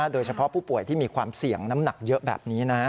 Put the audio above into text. โดยเฉพาะผู้ป่วยที่มีความเสี่ยงน้ำหนักเยอะแบบนี้นะ